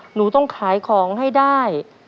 หนูต้องขายของให้ได้